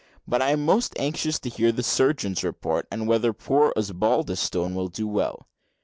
But I am most anxious to hear the surgeon's report, and whether poor Osbaldistone will do well.